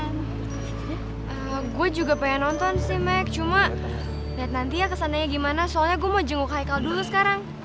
gue juga pengen nonton sih max cuma lihat nanti ya kesannya gimana soalnya gue mau jenguk hikal dulu sekarang